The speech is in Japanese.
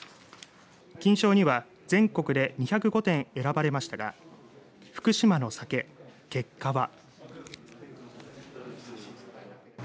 金賞には全国で２０５点選ばれましたが福島の酒結果は。